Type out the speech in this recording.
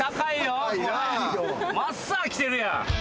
ばっさ来てるやん。